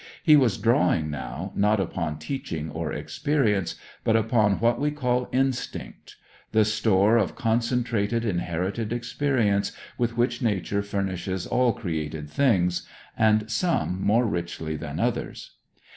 He was drawing now, not upon teaching or experience, but upon what we call instinct: the store of concentrated inherited experience with which Nature furnishes all created things, and some more richly than others.